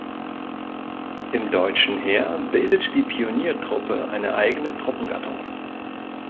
Im deutschen Heer bildet die Pioniertruppe eine eigene Truppengattung.